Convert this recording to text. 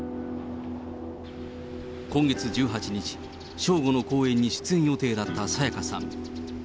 今月１８日、正午の公演に出演予定だった沙也加さん。